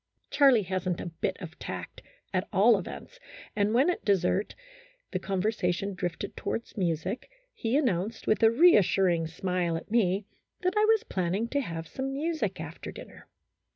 Charlie has n't a bit of tact, at all events, and when, at dessert, the conversation drifted towards music, he announced, with a reas suring smile at me, that I was planning to have some music after dinner.